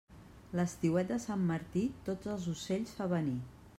L'estiuet de sant Martí, tots els ocells fa venir.